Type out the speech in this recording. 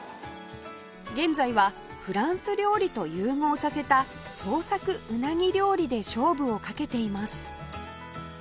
現在はフランス料理と融合させた創作うなぎ料理で勝負をかけています